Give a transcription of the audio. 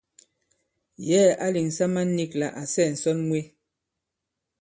Yɛ̌ɛ̀ ǎ lèŋsa man nīk lā à sɛɛ̀ ǹsɔn mwe.